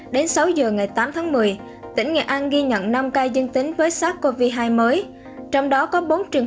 đến sáu giờ ngày tám tháng một mươi tỉnh nghệ an ghi nhận năm ca dương tính với sars cov hai mới trong đó có bốn trường